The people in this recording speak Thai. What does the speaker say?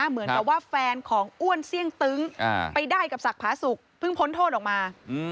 เหมือนกับว่าแฟนของอ้วนเสี่ยงตึ้งไปได้กับศักดิ์ผาสุกเพิ่งพ้นโทษออกมา